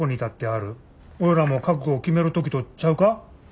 俺らも覚悟を決める時とちゃうか。